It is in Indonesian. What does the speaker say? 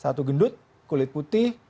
satu gendut kulit putih